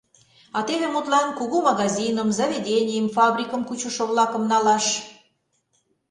А теве, мутлан, кугу магазиным, заведенийым, фабрикым кучышо-влакым налаш.